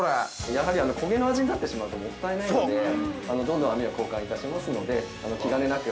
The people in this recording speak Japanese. ◆やはり焦げの味になってしまうともったいないので、どんどん網を交換いたしますので、気兼ねなく。